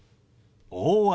「大雨」。